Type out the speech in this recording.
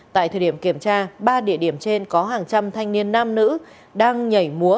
tại thời điểm kiểm tra ba địa điểm trên có hàng trăm thanh niên nam nữ đang nhảy múa